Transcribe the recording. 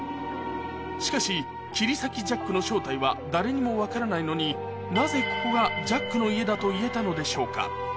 しかし切り裂きジャックの正体は誰にも分からないのになぜここがジャックの家だと言えたのでしょうか？